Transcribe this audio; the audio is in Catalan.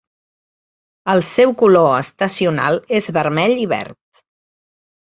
El seu color estacional és vermell i verd.